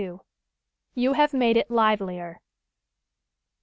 "YOU HAVE MADE IT LIVELIER."